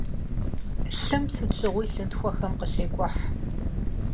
Лъым сыт щыгъуи лъынтхуэхэм къыщекӀухь.